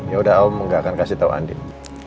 yaudah om gak akan kasih tau andin